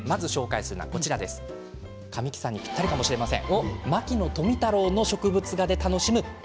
まず紹介するのは神木さんにぴったりかもしれません。